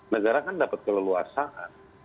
negara kan dapat keleluasan